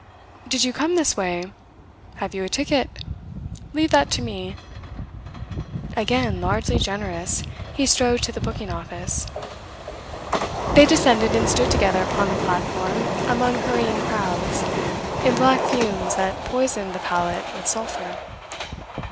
'Did you come this way? Have you a ticket? Leave that to me.' Again largely generous, he strode to the booking office. They descended and stood together upon the platform, among hurrying crowds, in black fumes that poisoned the palate with sulphur.